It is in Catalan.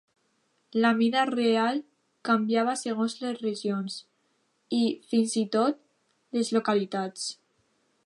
La mida real canviava segons les regions i, fins i tot, les localitats.